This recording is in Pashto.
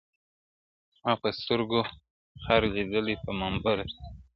ما په سترګو خر لیدلی پر منبر دی-